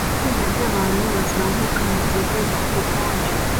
Itsinda ryabantu bazamuka mugihe cyubukonje